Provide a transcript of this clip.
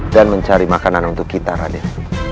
dan mencari makanan untuk kita raden